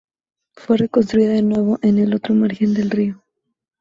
Fue reconstruida de nuevo en el otro margen del río.